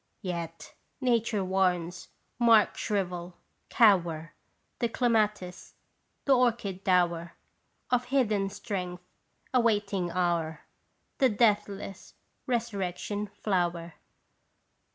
Yet, Nature warns, mark shrivel, cower, The clematis ; the orchid dower Of hidden strength awaiting hour ; The deathless resurrection flower